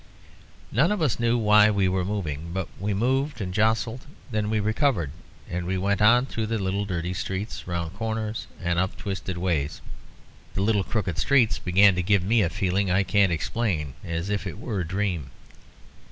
None of us knew why we were moving, but we moved and jostled. Then we recovered, and went on through the little dirty streets, round corners, and up twisted ways. The little crooked streets began to give me a feeling I can't explain as if it were a dream.